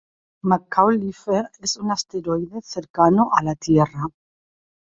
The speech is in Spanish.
McAuliffe es un asteroide cercano a la Tierra.